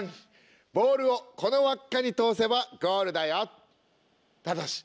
ボールをこの輪っかに通せばゴールだよ。